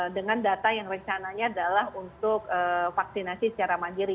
dengan data yang rencananya adalah untuk vaksinasi secara mandiri